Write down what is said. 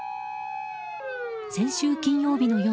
先週金曜日の夜